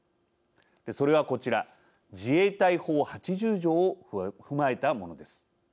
それはこちら自衛隊法８０条を踏まえたものです。